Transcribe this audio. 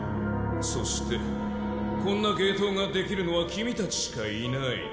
そしてこんな芸当ができるのはキミたちしかいない。